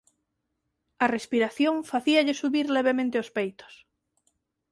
A respiración facíalle subir levemente os peitos.